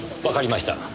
わかりました。